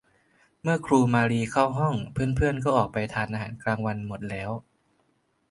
เมื่อครูมาลีเข้าห้องเพื่อน ๆ ก็ออกไปทานอาหารกลางวันหมดแล้ว